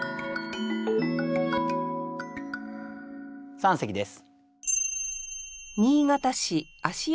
三席です。